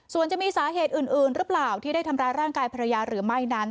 ส่วนจะมีสาเหตุอื่นหรือเปล่าที่ได้ทำร้ายร่างกายภรรยาหรือไม่นั้น